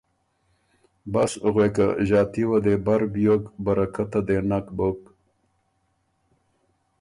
بس غوېکه ݫاتي وه دې بر بیوک برکته دې نک بُک